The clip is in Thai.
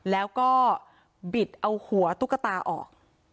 แล้วก็บิดเอาหัวตุ๊กตาออก